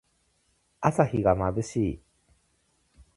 朝日がまぶしい。